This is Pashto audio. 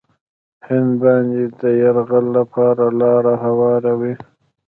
هند باندې د یرغل لپاره لاره هواروي.